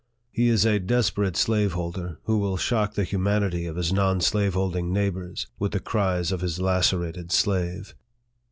He is a desperate slaveholder, who wilt shock the humanity of his non slaveholding neighbors with the cries of his lacerated slave.